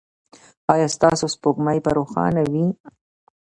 ایا ستاسو سپوږمۍ به روښانه وي؟